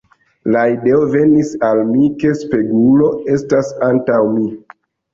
La ideo venis al mi, ke spegulo estas antaŭ mi.